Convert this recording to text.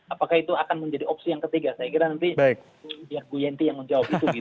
apakah itu akan menjadi opsi yang ketiga saya kira nanti biar bu yenty yang menjawab itu gitu